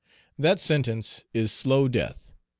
That sentence is "slow death!"